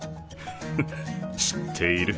フフッ知っている。